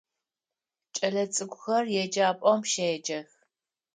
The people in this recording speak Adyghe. Кӏэлэцӏыкӏухэр еджапӏэм щеджэх.